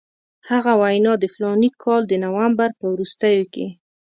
هغه وینا د فلاني کال د نومبر په وروستیو کې.